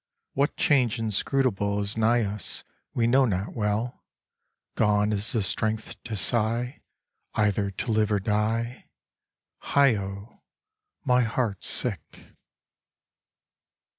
What change inscrutable Is nigh us, we know not well; Gone is the strength to sigh Either to live or die. Heigho! my heart 's sick.